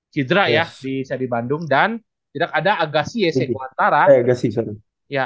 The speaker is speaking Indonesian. cidra ya di bandung dan tidak ada agassi yesenio antara